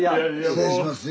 失礼します